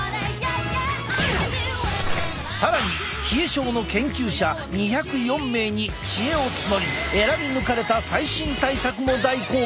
更に冷え症の研究者２０４名に知恵を募り選び抜かれた最新対策も大公開！